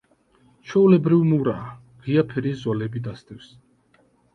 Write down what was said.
ჩვეულებრივ მურაა, ღია ფერის ზოლები დასდევს.